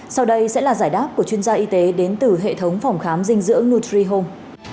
sau đây sẽ là giải đáp của chuyên gia y tế đến từ hệ thống phòng khám dinh dưỡng nutree home